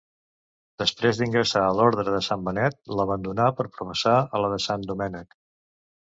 Després d'ingressar a l'Orde de Sant Benet, l'abandonà per professar a la de Sant Domènec.